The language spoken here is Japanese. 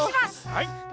はい！